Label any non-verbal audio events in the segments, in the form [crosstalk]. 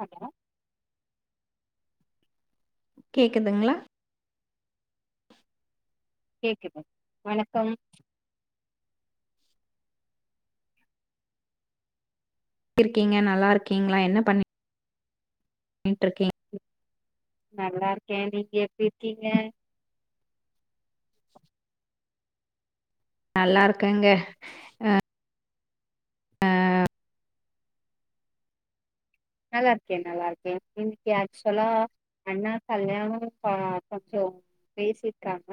hello கேக்குதுங்களா கேக்குது வணக்கம் ருக்கீங்க நல்லா இருக்கீங்களா என்ன பண்ணி ட்டு இருக்கீங் நல்லா இருக்கே நீங்க எப்டி இருக்கீங்க நல்லா இருக்கங்க நல்லா இருக்கே நல்லா இருக்கே இன்னைக்கி ஆக்சுவலா அண்ணா கல்யாணோ அ கொஞ்சோ பேசிருக்காங்க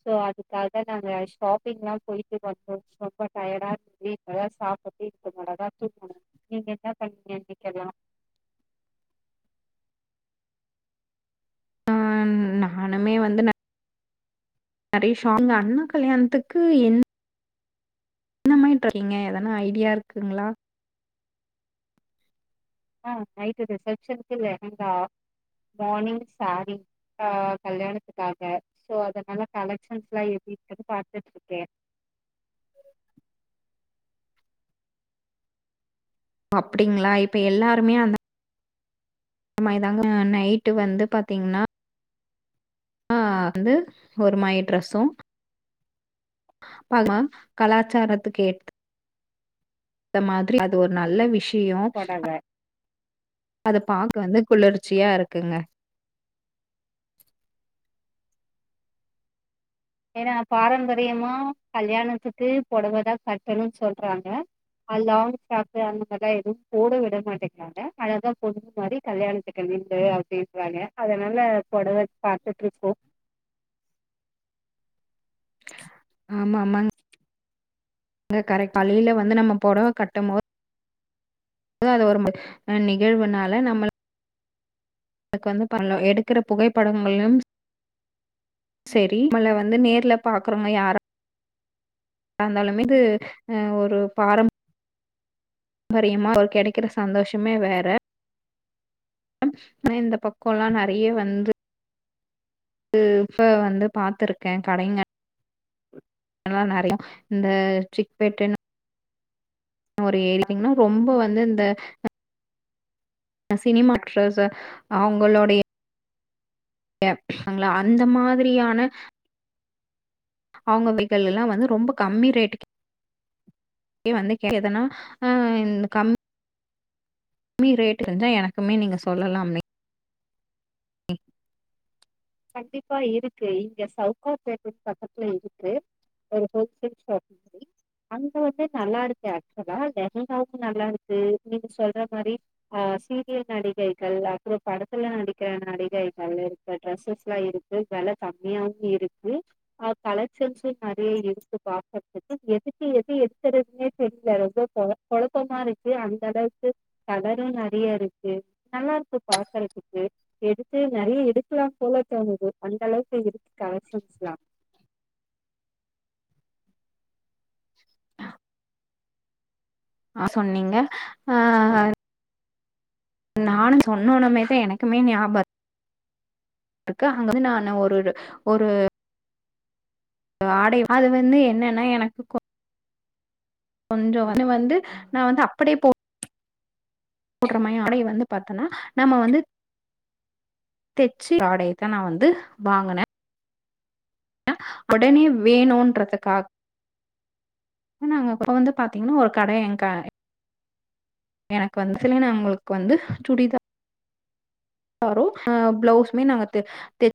சோ அதுக்காக நாங்க ஷாப்பிங் எல்லா போயிட்டு வந்தோ ரொம்ப டயர்டா வீட்டுல நா சாப்பிட்டு இ நல்லாதா தூங்கணு நீங்க என்ன பண்ணிங்கே நீங்கள ஆ நானுமே வந்து நெ நெறயா ஷாப் அண்ணா கல்யாணத்துக்கு என் என்னம இருக்கீங்க எதனா ஐடியா இருக்குங்களா ஆ நைட்டு ரிசப்ஷன்க்கு லெகங்கா மார்னிங் சேரீ ஆ கல்யாணத்துக்காக சோ அதனால கலெக்ஷன்ஸ் எல்லா எப்டி இருக்குனு பாத்துட்டு இருக்கே அப்டிங்களா இப்ப எல்லாருமே அந்தா ந்த மாரிதாங்க நைட்டு வந்து பாத்தீங்கன்னா ஆ வந்து ஒரு மாரி ட்ரெஸ்சு பாபம் கலாச்சாரத்துக் கேத் த மாரி அது ஒரு நல்ல விஷயோ பொடவ அத பாக்க வந்து குளிர்ச்சியா இருக்குங்க ஏன்னா பாரம்பரியமா கல்யாணத்துக்கு பொடவைதா கட்டணுனு சொல்றாங்க அ லாங் ஃப்ராக்கு அந்த மாரில்லா எதுவு போட விடமாட்டேங்கறாங்க அழகா பொண்ணு மாறி கல்யாணத்துக்கு நில்லு அப்டின்றாங்க அதனால பொடவ பாத்துட்டுருக்கோ ஆமா ஆமாங் இங் கரெக்ட் காலேல வந்து நம்ம பொடவ கட்டம் போ அத ஒரும அ நிகழ்வுனால நம்மள அதுக்கு வந்து பல்லோ எடுக்குற புகைப்படங்களும் சேரி நம்மள்ள வந்து நேர்ல பாக்குறோங்க யா ராந்தாலுமே இது அ ஒரு பாரம் பரியமா ஒரு கெடைக்கிற சந்தோஷமே வேற அம் இந்த பக்கோலா நெறைய வந்து இது இப்ப வந்து பாத்ருக்க கடைங்க ல நெறைய இந்த சிப்பேட்டன் ஒரு ஏடிட்டின்னா ரொம்ப வந்து இந்த அ நா சினிமா ஆக்ட்ரஸ்ஸு அவங்களுடைய ய சங்ள அந்த மாதிரியான அவுங்க வேக்கள் எல்லா வந்து ரொம்ப கம்மி ரேட்டுக்கே கே வந்துகே எதன்னா அ இந்த கம் மி ரேட்டு தெரிஞ்சா எனக்குமே நீங்க சொல்லலாமே கண்டிப்பா இருக்கு இங்க சவுக்கார்பேட்ட பக்கத்துல இருக்கு ஒரு ஹோல்சேல் ஷாப் இருக்கு அங்க வந்து நல்லா இருக்கு ஆக்சுவலா லெகங்காவு நல்லா இருக்கு நீங்க சொல்ற மாரி ஆ சீரியல் நடிகைகள் அப்றோ படத்துல நடிக்கிற நடிகைகள் இருக்க ட்ரெஸ்ஸஸ்லா இருக்கு வெல கம்மியாவு இருக்கு ஆ கலெக்ஷன்ஸு நெறைய இருக்கு பாக்குறதுக்கு எதுக்கு எது எடுக்கறதுன்னே தெரில ரொம்ப கொழ கொழப்பமா இருக்கு அந்தளவுக்கு கலரு நெறைய இருக்கு நல்லாருக்கு பாக்கறத்துக்கு எடுத்து நெறைய எடு க்குலா போல தோணுது அந்த அளவுக்கு இருக்கு கலெக்ஷன்ஸ்லா ஆ சொன்னீங்க ஆ நானு சொன்னோனுமேதா எனக்குமே ஞாபர் ருக்கு அங்க வந்து நானு ஒருரு ஒரு ஆடை அது வந்து என்னனா எனக்கு கொ கொஞ்சோ வந் வந்து நா வந்து அப்படியே போ ட்ற மாரி ஆடைய வந்து பாத்தனா நம்ம வந்து தச்சி ஆடையத்தா நா வந்து வாங்குன ஒடனே வேணுன்றதுக்காக் நாங்க போ ப்போ வந்து பாத்தீங்னா ஒரு கடைய எங்க எனக்கு வந்து சில நம்மளுக்கு வந்து சுடிதா தாரு அ பிளவுஸ்மே நாங்க தெ தெ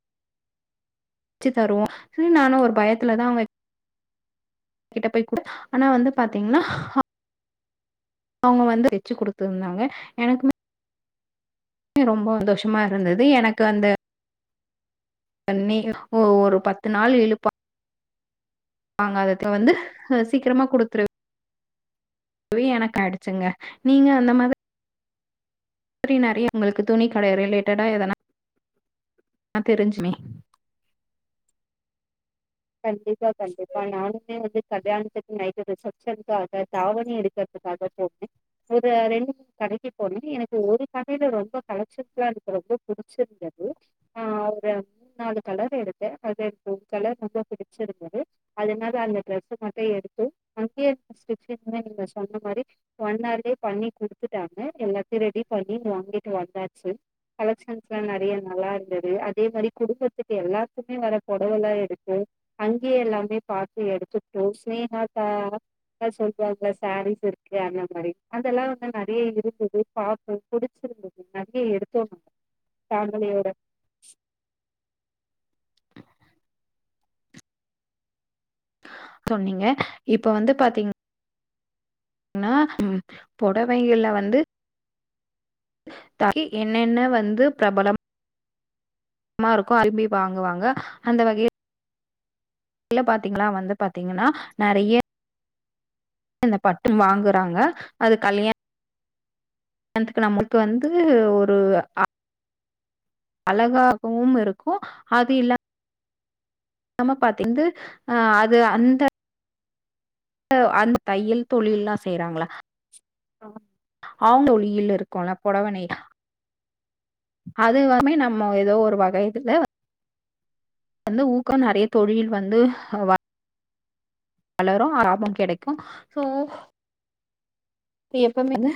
ச்சி தருவோ சேரி நானு ஒரு பயத்துலதா அவங்க கிட்ட போய் குடு ஆனா வந்து பாத்தீங்னா ஆ அவங்க வந்து தச்சி குடுத்துருந்தாங்க எனக்குமே ரொம்போ சந்தோஷமா இருந்தது எனக்கு அந்த அந்நே ஒ ஒரு பத்து நாள் இழுப்பா பாங்க அதத்து வந்து அ சீக்கிரமா குடுத்ரு வே எனக்கு ஆயிடுச்சிங்க நீங்க அந்த மாதி ரி நெறைய உங்களுக்கு துணி கடையே ரிலேட்டடா எதனா [inaudible] தெரிஞ்சுமே கண்டிப்பா கண்டிப்பா நானுமே வந்து கல்யாணத்துக்கு நைட்டு ரிசப்ஷனுக்காக தாவணி எடு க்கறதுக்காக போனே ஒரு ரெண் கடைக்கு போனே எனக்கு ஒரு கடேல ரொம்ப கலெக்ஷன்ஸ்லா எனக்கு ரொம்ப புடிச்சிருந்தது ஆ ஒரு மு நாலு கலர் எடுத்தே அதே ப்ளூ கலர் கொஞ்சோ புடிச்சிருந்தது அதனால அந்த டிரஸ் மட்டு எடுத்து அங்கயே ஸ்டிச்சிங் மாரி நீங்க சொன்ன மாரி ஒன் ஹார்லயே பண்ணி குடுத்துட்டாங்க எல்லாத்தயு ரெடி பண்ணி வாங்கிட்டு வந்தாச்சு கலெக்ஷன்ஸ்லா நெறைய நல்லா இருந்தது அதே மாரி குடுக்கத்துக்கு எல்லாத்துக்குமே வேற பொடவெல்லா எடுத்து அங்கே எல்லாமே பாத்து எடுத்துட்டோ ஸ்னேஹாக்கா சொல்லுவாங்கல்லே சாரீஸ் இருக்கு அந்த மாரி அதெல்லா வந்து நெறைய இருந்துது பாத்தோ புடிச்சிருந்தது நெறைய எடுத்தோ நாங்க ஃபேமிலியோட சொன்னீங்க இப்ப வந்து பாத்தீங் நா ம் பொடவையில வந்து தறி என்னென்ன வந்து பிரபலம் மா இருக்கு அத விரும்பி வாங்குவாங்க அந்த வகையி ல்ல பாத்தீங்கனா வந்து பாத்தீங்கனா நெறைய இந்த பட்டு வாங்குறாங்க அது கல்யா யாணத்துக்கு நமக்கு வந்து ஒரு அ அழகாகவும் இருக்கு அது இல்லா ம்ம பாத்து இந்த ஆ அது அந்த அ அந்த தையல் தொழில்லா செய்றாங்கலா ஆ அவ்ங்க ஒளியில இருக்குல பொடவ நெய் அது எல்லாமே நம்ம எதோ ஒரு வகை இதுல வந்து ஊக்கம் நெறைய தொழில் வந்து அ வா வளரு லாபம் கெடைக்கு சோ இது எப்போமே வந்து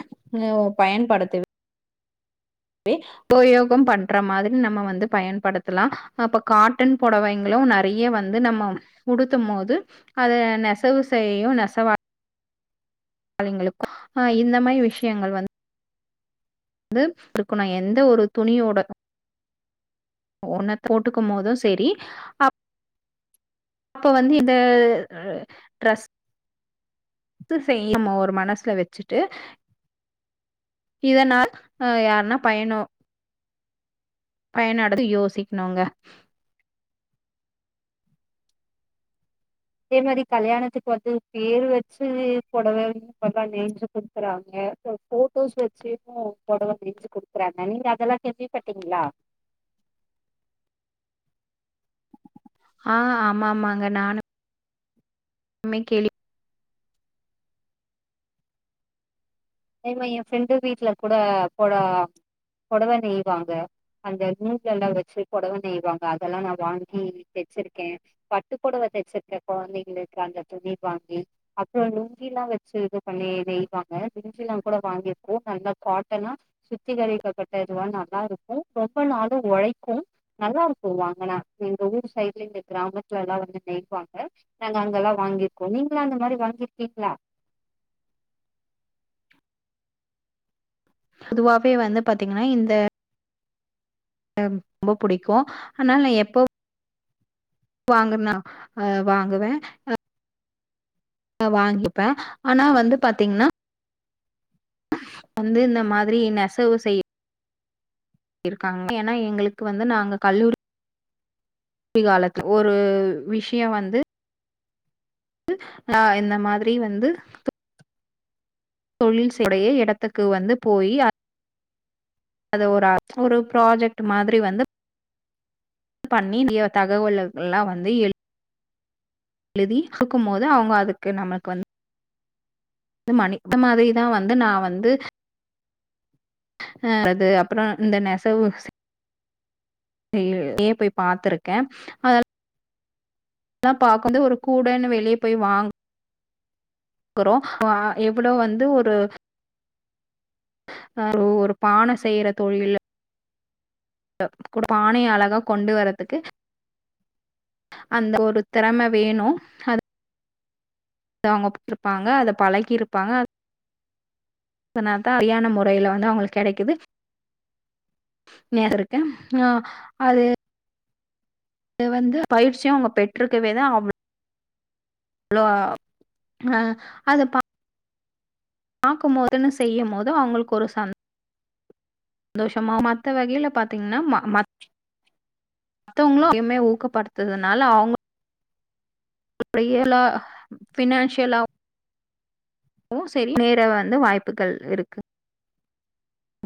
ம் பயன்படுத்துது உபயோகம் பண்ற மாதிரி நம்ம வந்து பயன்படுத்தலா அப்ப காட்டன் பொவைங்களு நெறைய வந் து நம்ம உடுத்து மோது அத நெசவு செய்யு நெசவா ளிங்களுக்கு அ இந்த மாரி விஷ்யங்கள் வந் ந்து இருக்கு நா எந்த ஒரு துணியோட ஒன்ன போட்டுக்கும் மோது செரி அப் அப்ப வந்து இந்த அ ட்ரஸ் ட்டு செய்யுமோர் மனசுல வெச்சுட்டு இதனால் அ யாருனா பயனு பயனாடது யோசிக்ணுங்க அதே மாரி கல்யாணத்துக்கு வந்து பேரு வெச்சு பொடவைன் வந்தா நேஞ்சு குடுக்குறாங்க இப்ப ஃபோட்டோஸ் வெச்சு உ பொடவ நெஞ்சு குடுக்குறாங்க நீங்க அதெல்லா கேள்விப்பட்டீங்ளா ஆ ஆமா ஆமாங்க நானு மே கேள்வி அதே மாரி எ ஃப்ரெண்டு வீட்ல கூட பொட பொடவ நெய்வாங்க அந்த நூல்லலா வெச்சு பொடவ நெய்வாங்க அதெல்லா நா வாங்கி தெச்சிருக்கே பட்டுக்பொடவ தெச்சிருக்கே கொழந்தைங்களுக்கு அந்த துணி வாங்கி அப்றோ லுங்கிலா வெச்சு இது பண்ணி நெய்வாங்க லுங்கிலா கூட வாங்கிருக்கோ நல்ல காட்டனா சுத்திகரிக்க பட்ட இதுவா நல்லா இருக்கு ரொம்ப நாளு ஒழைக்கு நல்லாருக்கு வாங்குனா எங்க ஊர் சைட்ல இந்த கிராமத்துலலா வந்து நெய்வாங்க நாங்க அங்கெல்லா வாங்கிருக்கோ நீங்களு அந்த மாரி வாங்கிருக்கீங்ளா அதுவாவே வந்து பாத்தீங்கனா இந்த அம் ரொம்ப புடிக்கு ஆனா நா எப்பவு வாங்குனா அ வாங்குவே அ அ வாங்கிப்பே ஆனா வந்து பாத்தீங்னா வந்து இந்த மாதிரி நெசவு செய்ய இருக்காங்க ஏனா எங்களுக்கு வந்து நாங்க கல்லூரி ல்லூரி காலத்து ஒரு விஷ்ய வந்து ஆ இந்த மாதிரி வந்து தொழில் செய் உடைய எடத்துக்கு வந்து போயி அ அத ஒரு அ ஒரு ப்ராஜெக்ட் மாதிரி வந்து பண்ணி இய தகவல் எல்லா வந்து எழு எழுதி குடுக்கும் போது அவங்க அதுக்கு நம்மளுக் வந்து இந்த மணி இந்த மாதிரிதா வந்து நா வந்து அ அது அப்புறோ இந்த நெசவு நேர்லே போய் பாத்திருக்க அதெல்லா ல்லா பாக்கும்து ஒரு கூடன்னு வெளிய போய் வாங் குறோ ஆ எவ்ளோ வந்து ஒரு அ ஒரு பான செய்ற தொழில்ல கு குட பானைய அழகா கொண்டு வர்றதுக்கு அந்த ஒரு தெறம வேணு அது அவங்க போ இருப்பாங்க அத பழக்கி இருப்பாங்க அதனா தா சரியான முறைல வந்து அவங்ளுக் கெடைக்குது நேர்ருக்கே ஆ அது அது வந்து பயிற்சியு அவங்க பெற்றுக்கவே தா அவ் அவ்ளோ ஆ அத பா பாக்குமோதுன்னு செய்யுமோது அவங்ளுக்கு ஒரு சந் ந்தோஷமா மத்த வகைல பாத்தீங்கன்னா ம மத் மத்தவங்ளும் எம்மே ஊக்கப்படுத்துதுனால அவுங்க அப்டியல்லா பினான்சியலா வு செரி நேர வந்து வாய்ப்புகள் இருக்கு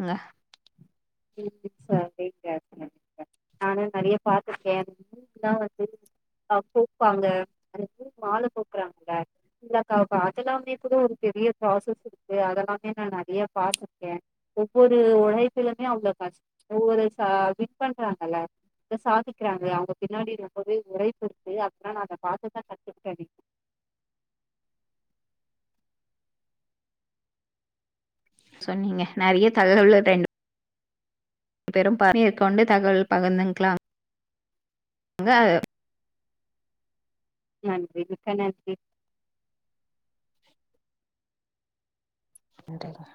ங்க ம் சரிங்க [inaudible] நானு நெறைய பாத்துருக்கே [inaudible] வந்து அ கோப்பாங்க அது மால கோக்குறாங்கல்ல இல்லக்கா அதெல்லாமே கூட ஒரு பெரிய ப்ராசஸ் இருக்கு அதெல்லாமே நா நெறைய பாத்திருக்கே ஒவ்வொரு உழைப்பிலுமே அவ்ளோ கஷ் ஒவ்வொரு ச விட் பண்றாங்கல்ல தா சாதிக்கிறாங்களே அவங்க பின்னாடி ரொம்பவே உழைப்பு இருக்கு அதனால அத பாத்து தா கத்துக்கிட்டேனே சொன்னீங்க நெறைய தகவலு ரெண் டு பேரும் ப மேற்கொண்டு தகவல் பகிர்ந்துக்லா எங்காது நன்றி மிக்க நன்றி நன்றிக்கா